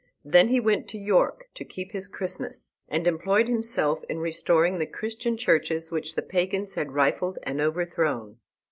He then went to York to keep his Christmas, and employed himself in restoring the Christian churches which the Pagans had rifled and overthrown.